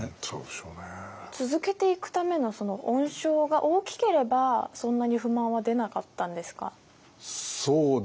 続けていくための恩賞が大きければそんなに不満は出なかったんですか？